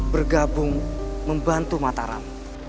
bergabung membantu mataram